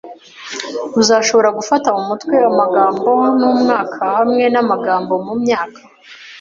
uzashobora gufata mu mutwe amagambo mumwaka hamwe namagambo mumyaka